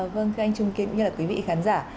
vâng thưa anh trung kiên quý vị khán giả